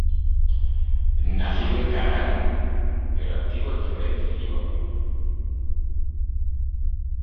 Nacido en Carrara, pero activo en Florencia y Livorno.